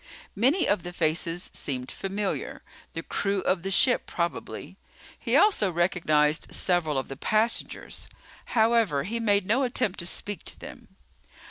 Many of the faces seemed familiar; the crew of the ship, probably. He also recognized several of the passengers. However, he made no attempt to speak to them.